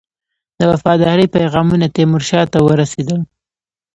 د وفاداری پیغامونه تیمورشاه ته ورسېدل.